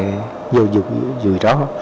có cái nhiều dụng dưới đó